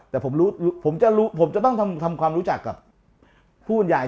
แต่ผมรู้ผมจะต้องทำความรู้จักกับผู้บรรยาย